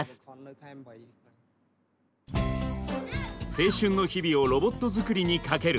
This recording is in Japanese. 青春の日々をロボット作りにかける。